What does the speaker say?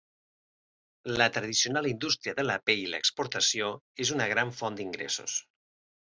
La tradicional indústria de la pell i l'exportació és una gran font d'ingressos.